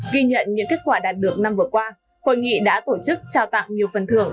ghi nhận những kết quả đạt được năm vừa qua hội nghị đã tổ chức trao tặng nhiều phần thưởng